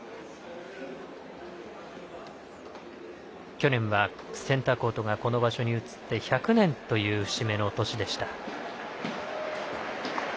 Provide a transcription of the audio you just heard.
去年はセンターコートがこの場所に移って１００年という節目の年でした。